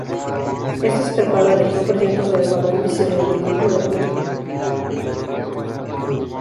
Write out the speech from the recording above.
Esta escarpada región presenta un elevado índice de endemismo de plantas y animales.